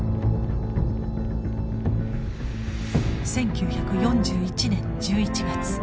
１９４１年１１月。